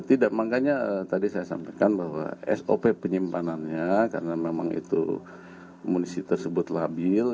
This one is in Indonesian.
tidak makanya tadi saya sampaikan bahwa sop penyimpanannya karena memang itu munisi tersebut labil